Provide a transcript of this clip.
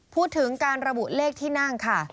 พูดถึงการระบุเลขที่นั่งค่ะ